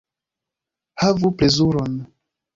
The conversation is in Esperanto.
Havu plezuron!